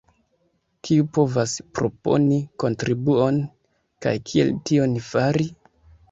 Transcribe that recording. Kiu povas proponi kontribuon kaj kiel tion fari?